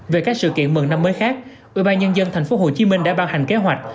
về các sự kiện mừng năm mới khác ủy ban nhân dân thành phố hồ chí minh đã ban hành kế hoạch